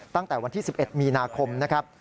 ตั้งแต่วันที่๑๑มีนาคมนะครับ